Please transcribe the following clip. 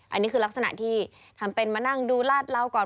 อันนี้คือลักษณะที่ทำเป็นมานั่งดูลาดเหล้าก่อน